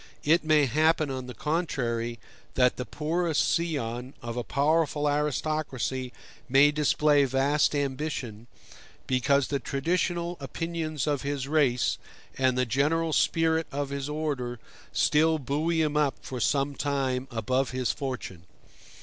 It may happen, on the contrary, that the poorest scion of a powerful aristocracy may display vast ambition, because the traditional opinions of his race and the general spirit of his order still buoy him up for some time above his fortune.